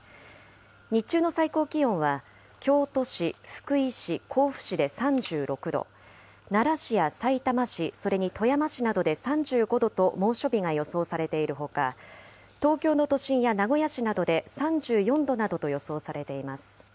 日中の最高気温は京都市、福井市、甲府市で３６度、奈良市やさいたま市、それに富山市などで３５度と、猛暑日が予想されているほか、東京の都心や名古屋市などで３４度などと予想されています。